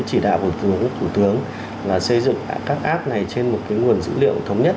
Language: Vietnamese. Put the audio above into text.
chỉ đạo của thủ tướng là xây dựng các app này trên một cái nguồn dữ liệu thống nhất